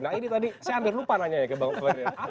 nah ini tadi saya hampir lupa nanya ya ke bang fadli